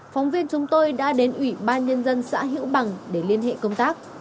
phóng viên chúng tôi đã đến ủy ban nhân dân xã hữu bằng để liên hệ công tác